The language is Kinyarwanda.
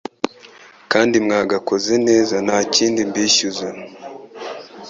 kandi mwagakoze neza. Ntakindi mbishyuza